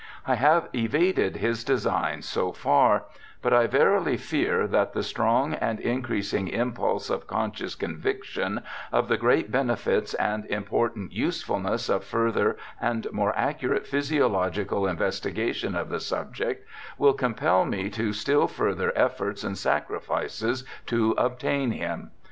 ' I have evaded his designs so far ; but I verily fear that the strong and increasing impulse of conscious conviction of the great benefits and important useful ness of further and more accurate physiological investi gation of the subject will compel me to still further efforts and sacrifices to obtain him.